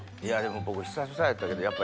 僕久々やったけど。